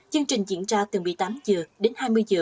chương trình diễn ra từ một mươi tám h đến hai mươi h